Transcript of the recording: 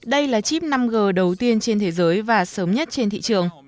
đây là chip năm g đầu tiên trên thế giới và sớm nhất trên thị trường